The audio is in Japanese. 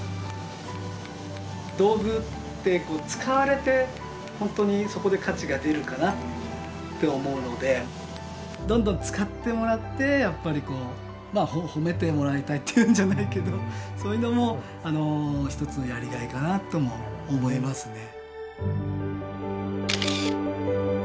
道具って使われて本当にそこで価値が出るかなって思うのでどんどん使ってもらってやっぱりこう褒めてもらいたいっていうんじゃないけどそういうのも一つのやりがいかなとも思いますね。